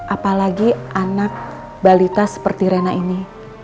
apalagi anak balita seperti rena ini